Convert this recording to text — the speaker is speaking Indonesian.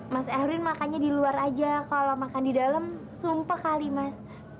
mas erwin makannya di luar aja kalo makan di dalem sumpah kali mas